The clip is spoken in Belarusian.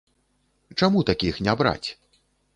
Чаму такіх не браць?